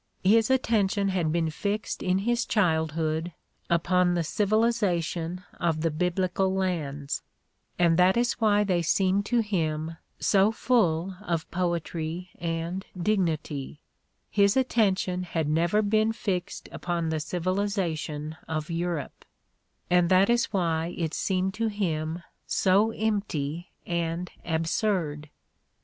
His attention had been fixed in his childhood upon the civilization of the Biblical lands, and that is why they seemed to him so full of poetry and dignity; his attention had never been fixed upon the civilization of Europe, and that is why it seemed to him so empty and absurd.